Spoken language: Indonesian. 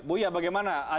bu iyah bagaimana